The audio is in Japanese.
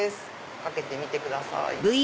掛けてみてください。